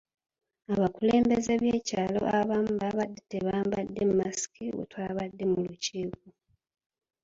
Abakulembeze b'ekyalo abamu baabadde tebambadde masiki bwe twabadde mu lukiiko.